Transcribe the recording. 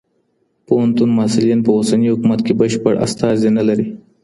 پوهنتون محصلین په اوسني حکومت کي بشپړ استازي نه لري.